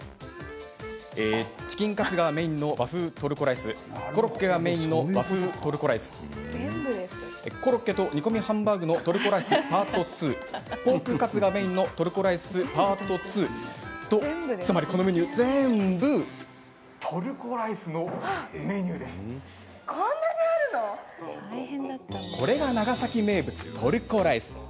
えー、チキンカツがメインの和風トルコライスコロッケがメインの和風トルコライスコロッケと煮込みハンバーグのトルコライス・パート２ポークカツがメインのトルコライス・パート２とつまりこのメニュー、全部これが長崎名物トルコライス。